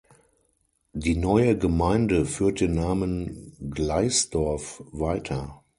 Die neue Gemeinde führt den Namen „Gleisdorf“ weiter.